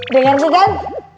gak ngerti kan